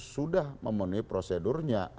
sudah memenuhi prosedurnya